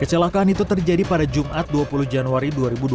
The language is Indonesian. kecelakaan itu terjadi pada jumat dua puluh januari dua ribu dua puluh